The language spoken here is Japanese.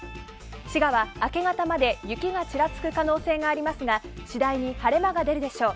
滋賀は明け方まで雪がちらつく可能性がありますが次第に晴れ間が出るでしょう。